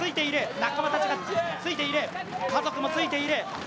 仲間たちがついている、家族もついている。